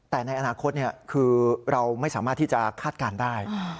แต่ในอนาคตคือเราไม่สามารถที่จะคาดการณ์ได้